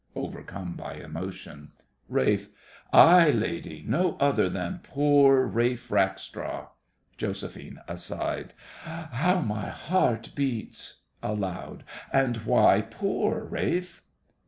(Overcome by emotion.) RALPH. Aye, lady—no other than poor Ralph Rackstraw! JOS. (aside). How my heart beats! (Aloud) And why poor, Ralph?